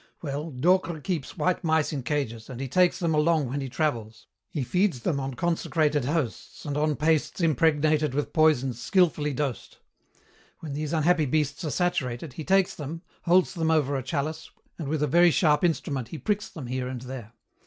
"Well, Docre keeps white mice in cages, and he takes them along when he travels. He feeds them on consecrated hosts and on pastes impregnated with poisons skilfully dosed. When these unhappy beasts are saturated, he takes them, holds them over a chalice, and with a very sharp instrument he pricks them here and there.